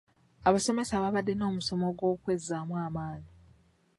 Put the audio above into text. Abasomesa baabadde n'omusomo ogw'okwezzaamu amaanyi.